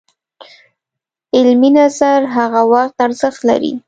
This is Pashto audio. علمي نظر هغه وخت ارزښت لري